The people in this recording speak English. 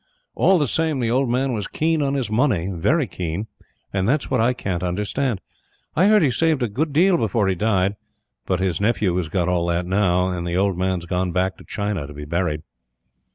All the same, the old man was keen on his money, very keen; and that's what I can't understand. I heard he saved a good deal before he died, but his nephew has got all that now; and the old man's gone back to China to be buried.